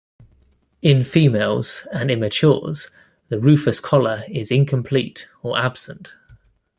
In females and immatures the rufous collar is incomplete or absent.